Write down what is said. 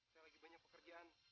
ada lagi banyak pekerjaan